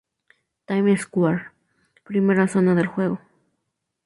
Time square: Primera zona del juego.